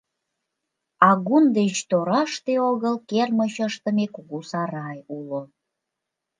Агун деч тораште огыл кермыч ыштыме кугу сарай уло.